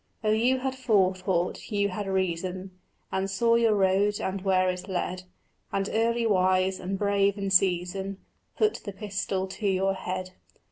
Oh you had forethought, you could reason, And saw your road and where it led, And early wise and brave in season Put the pistol to your head.